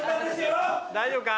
大丈夫か？